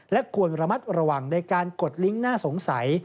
และควรระมัดระวังในการกดลิงค์น่าสงสัย